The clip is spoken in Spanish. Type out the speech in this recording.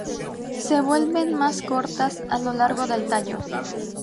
Se vuelven más cortas a lo largo del tallo.